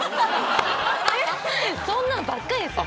そんなんばっかりですよ。